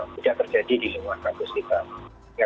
sudah terjadi di lingkungan kampus kita